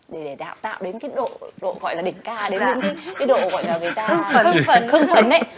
để đạo tạo đến cái độ gọi là đỉnh ca đến cái độ gọi là người ta khưng phấn ấy